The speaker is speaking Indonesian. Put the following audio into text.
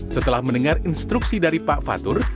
setelah mendengar instruksi dari pak fatur